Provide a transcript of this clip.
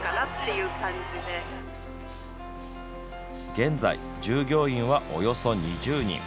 現在、従業員はおよそ２０人。